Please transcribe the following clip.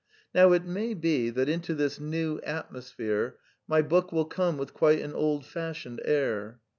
Now it may be that into this new atmosphere my book will come with quite an old fashioned air.